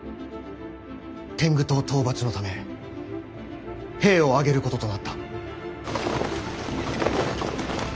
天狗党討伐のため兵を挙げることとなった。